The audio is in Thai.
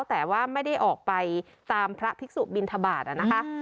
แต่ว่าไม่ได้ออกไปตามพระภิกษุบินทบาทนะคะ